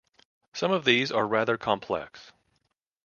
Some of these are rather complex.